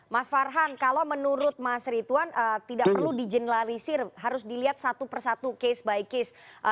mas farhan kalau menurut mas rituan tidak perlu di generalisir harus dilihat satu persatu case by case